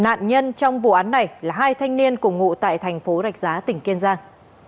nạn nhân trong vụ án này là hai thanh niên cùng ngụ tại tp rạch giá tỉnh kiên giang